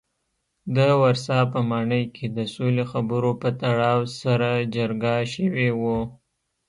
د ورسا په ماڼۍ کې د سولې خبرو په تړاو سره جرګه شوي وو.